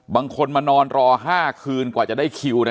บางคนมานอนรอ๕คืนกว่าจะได้คิว